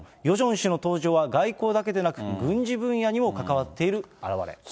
ヨジョン氏の登場は、外交だけでなく、軍事分野にも関わっている表れ。